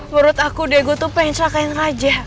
menurut aku dego tuh pengen celahkanin raja